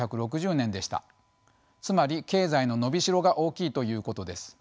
つまり経済の伸びしろが大きいということです。